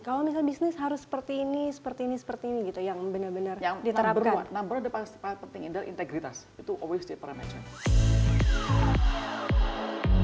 kalau misalnya bisnis harus seperti ini seperti ini seperti ini gitu yang benar benar diterapkan